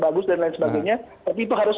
bagus dan lain sebagainya tapi itu harus